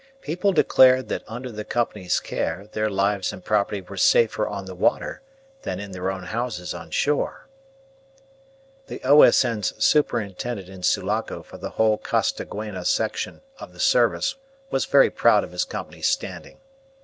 People declared that under the Company's care their lives and property were safer on the water than in their own houses on shore. The O.S.N.'s superintendent in Sulaco for the whole Costaguana section of the service was very proud of his Company's standing.